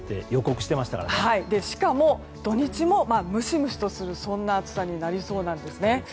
しかも、土日もムシムシとする暑さになりそうなんです。